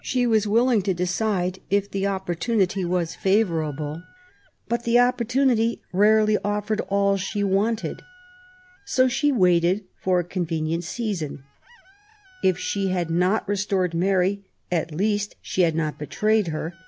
She was willing to decide if the opportunity was favourable; but the opportunity rarely offered all that she wante.d. So she waited for a convenient season. If she had not restored Mary, at least she had not betrayed her.